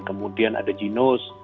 kemudian ada genos